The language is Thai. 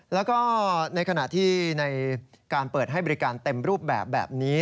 แล้วก็ในขณะที่ในการเปิดให้บริการเต็มรูปแบบนี้